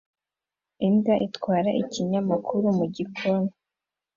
Imbwa itwara ikinyamakuru mu gikoni